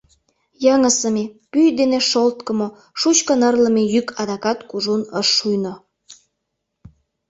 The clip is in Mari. Йыҥысыме, пӱй дене шолткымо, шучкын ырлыме йӱк адакат кужун ыш шуйно.